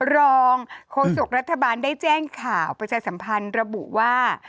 รองโฆษกรัฐบาลได้แจ้งข่าวประชาสัมพันธ์ระบุว่า